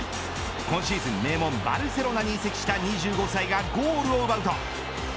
今シーズン名門バルセロナに移籍した２５歳がゴールを奪うと。